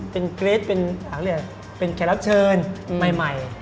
เป็นเกรทเป็นแขกรับเชิญใหม่